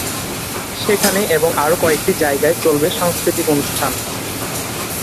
সেখানে এবং আরও কয়েকটি জায়গায় চলবে সাংস্কৃতিক অনুষ্ঠান।